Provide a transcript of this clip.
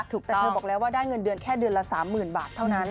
ถูกแต่เธอบอกแล้วว่าได้เงินเดือนแค่เดือนละ๓๐๐๐บาทเท่านั้น